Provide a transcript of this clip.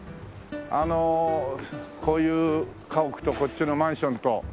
あのこういう家屋とこっちのマンションと。